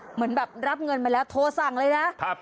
เหมือนแบบรับเงินไปแล้วโทรสั่งเลยนะ